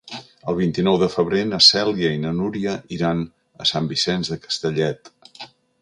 El vint-i-nou de febrer na Cèlia i na Núria iran a Sant Vicenç de Castellet.